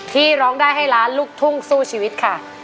ร้องได้ให้ล้านลูกทุ่งสู้ชีวิตค่ะ